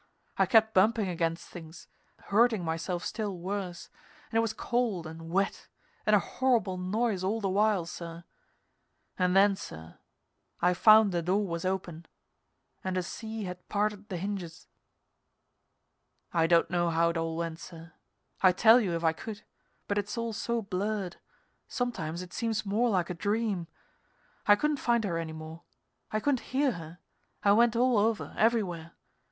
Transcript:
I kept bumping against things, hurting myself still worse, and it was cold and wet and a horrible noise all the while, sir; and then, sir, I found the door was open, and a sea had parted the hinges. I don't know how it all went, sir. I'd tell you if I could, but it's all so blurred sometimes it seems more like a dream. I couldn't find her any more; I couldn't hear her; I went all over, everywhere.